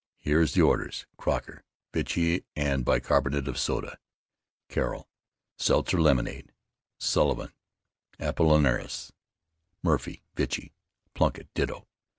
Here's the orders: Croker, vichy and bicarbonate of soda; Carroll, seltzer lemonade; Sullivan, apollinaris; Murphy, vichy; Plunkitt, ditto.